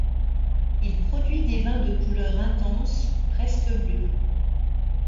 Il produit des vins de couleur intense presque bleue.